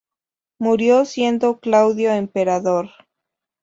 Murió siendo Claudio emperador.